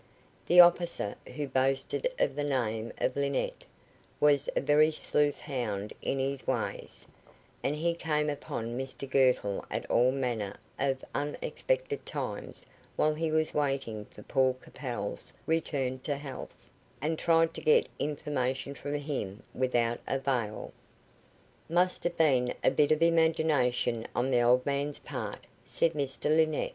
The officer, who boasted of the name of Linnett, was a very sleuth hound in his ways, and he came upon Mr Girtle at all manner of unexpected times while he was waiting for Paul Capel's return to health, and tried to get information from him, without avail. "Must have been a bit of imagination on the old man's part," said Mr Linnett.